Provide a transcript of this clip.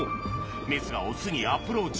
メスがオスにアプローチ。